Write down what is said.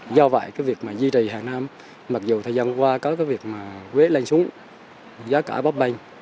do vậy cái việc mà duy trì hàng năm mặc dù thời gian qua có cái việc mà quế lên xuống giá cả bóp banh